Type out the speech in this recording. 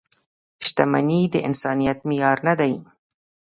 • شتمني د انسانیت معیار نه دی.